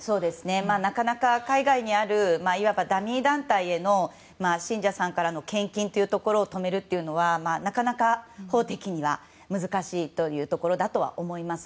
なかなか海外にあるいわばダミー団体への信者さんからの献金というのを止めるというのはなかなか法的には難しいというところだとは思います。